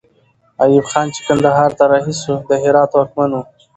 ایوب خان چې کندهار ته رهي سو، د هرات واکمن وو.